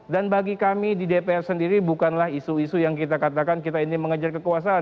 dan bagi kami di dpr sendiri bukanlah isu isu yang kita katakan kita ini mengejar kekuasaan